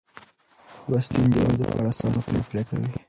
لوستې نجونې د واده په اړه سمه پرېکړه کوي.